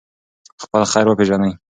خپل خیر وپېژنئ.